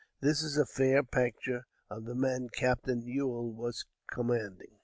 This is a fair picture of the men Capt. Ewell was commanding.